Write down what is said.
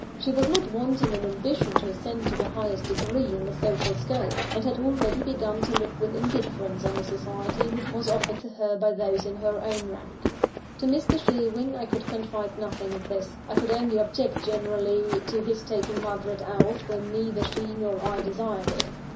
She was not wanting in ambition to ascend to the highest degree in the social scale; and had already begun to look with indifference on the society which was offered to her by those in her own rank. To Mr. Sherwin I could confide nothing of this. I could only object, generally, to his taking Margaret out, when neither she nor I desired it.